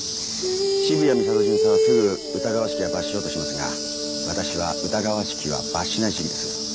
渋谷美里巡査はすぐ疑わしきは罰しようとしますが私は疑わしきは罰しない主義です。